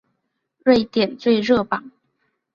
瑞典最热榜。